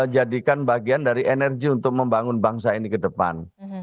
jadikan bagian dari energi untuk membangun bangsa ini ke depan